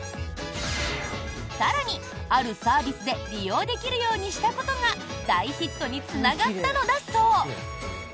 更に、あるサービスで利用できるようにしたことが大ヒットにつながったのだそう。